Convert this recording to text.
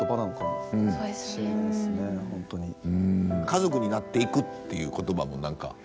家族になっていくっていう言葉も何か。